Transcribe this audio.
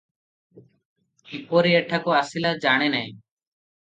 କିପରି ଏଠାକୁ ଆସିଲା ଜାଣେନାହିଁ ।"